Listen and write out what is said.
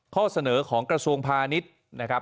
ข้อเสนอของกระทรวงพาณิชย์นะครับ